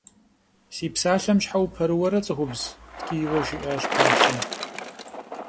Си псалъэм щхьэ упэрыуэрэ, цӀыхубз? – ткӀийуэ жиӀащ пашэм.